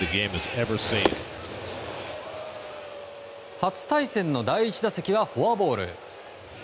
初対戦の第１打席はフォアボール。